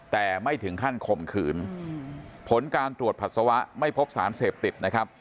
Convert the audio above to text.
แต่ไม่ถึงขั้นข่มขืนผลการตรวจปัสสาวะไม่พบสารเสพติดนะครับ